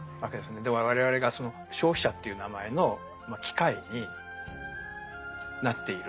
我々がその「消費者」という名前の機械になっている。